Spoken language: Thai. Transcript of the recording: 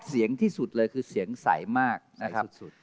พี่คุณคู่ครับ